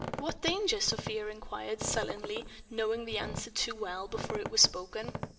"What danger?" Sofia enquired, sullenly, knowing the answer too well before it was spoken.